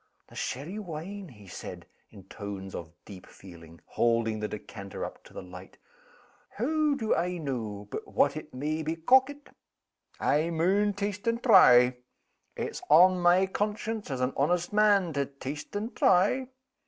"The sherry wine?" he said, in tones of deep feeling, holding the decanter up to the light. "Hoo do I know but what it may be corkit? I maun taste and try. It's on my conscience, as an honest man, to taste and try."